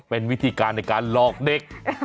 เป็นวิธีการในการหลอกเด็ก